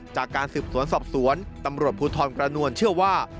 จากการสืบสวนสอบสวนตำรวจภูทรกระนวลเชื่อว่า